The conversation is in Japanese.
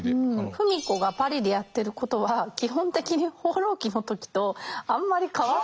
芙美子がパリでやってることは基本的に「放浪記」の時とあんまり変わってない。